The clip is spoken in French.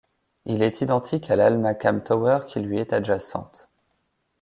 Il est identique à l'Al Maqam Tower qui lui est adjacente.